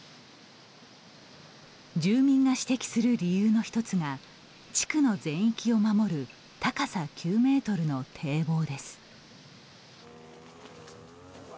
住民が指摘する理由の１つが地区の全域を守る高さ９ｍの堤防です。